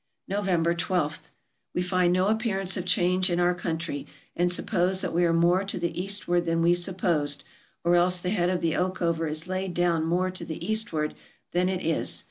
November 12. — We find no appearance of change in the country, and suppose that we are more to the eastward 430 TRAVELERS AND EXPLORERS than we supposed, or else the head of the Oakover is laid down more to the eastward than it is.